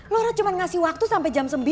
lo cuma ngasih waktu sampe jam sembilan